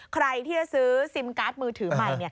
ใครที่จะซื้อซิมการ์ดมือถือใหม่